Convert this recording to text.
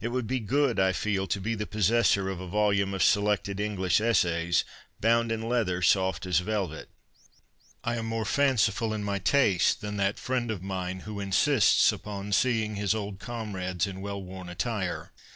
It would be good, I feel, to be the possessor of a volume of Selected English Essays bound in ' leather soft as velvet.' I am more fanciful in my tastes than that friend of mine who insists upon seeing his old comrades in well worn attire.